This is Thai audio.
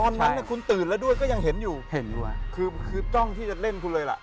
ตอนนั้นคุณตื่นแล้วด้วยก็ยังเห็นอยู่เห็นด้วยคือคือจ้องที่จะเล่นคุณเลยล่ะ